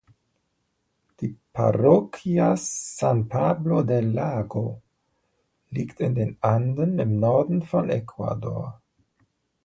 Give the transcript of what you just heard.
Die Parroquia San Pablo del Lago liegt in den Anden im Norden von Ecuador.